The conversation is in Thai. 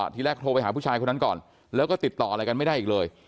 ทีแรกโทรไปหาผู้ชายคนนั้นก่อนแล้วก็ติดต่ออะไรกันไม่ได้อีกเลย